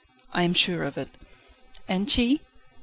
"I am sure of it." "And she?"